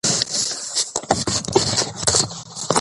پښتو ادب کې رښتینولي یو اصل دی.